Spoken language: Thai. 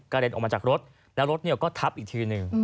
เด็นออกมาจากรถแล้วรถก็ทับอีกทีหนึ่ง